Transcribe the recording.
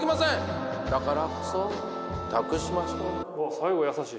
最後優しい。